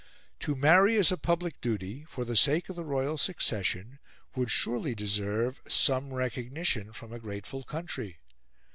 To marry as a public duty, for the sake of the royal succession, would surely deserve some recognition from a grateful country.